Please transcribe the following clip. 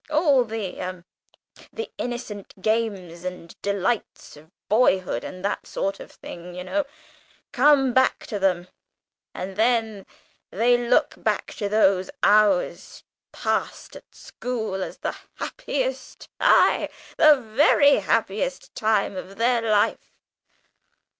All the hum, the innocent games and delights of boyhood, and that sort of thing, you know come back to them and then they look back to those hours passed at school as the happiest, aye, the very happiest time of their life!"